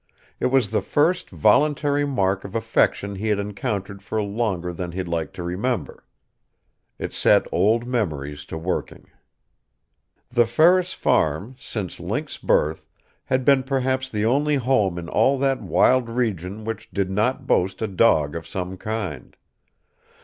It was the first voluntary mark of affection he had encountered for longer than he liked to remember. It set old memories to working. The Ferris farm, since Link's birth, had been perhaps the only home in all that wild region which did not boast a dog of some kind.